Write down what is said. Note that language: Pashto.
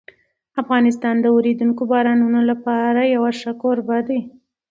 افغانستان د اورېدونکو بارانونو لپاره یو ښه کوربه دی.